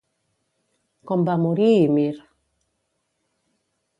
Com va morir Ymir?